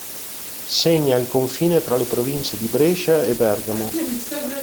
Segna il confine tra le province di Brescia e Bergamo.